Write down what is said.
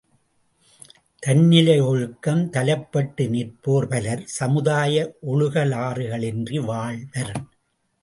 தன்னிலை ஒழுக்கம் தலைப்பட்டு நிற்போர் பலர், சமுதாய ஒழுகலாறுகளின்றி வாழ்வர்.